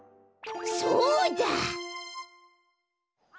そうだ！